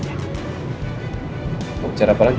mau bicara apa lagi